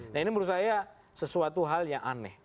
nah ini menurut saya sesuatu hal yang aneh